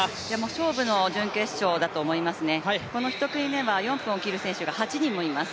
勝負の準決勝だと思いますね、この１組目は４分を切る選手が８人もいます。